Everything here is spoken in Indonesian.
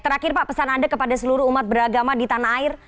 terakhir pak pesan anda kepada seluruh umat beragama di tanah air